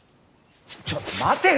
ちょっと待てよ！